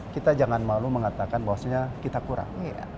kita jangan malu mengatakan bahwasannya kita kurang